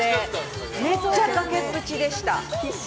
めっちゃ崖っぷちでした。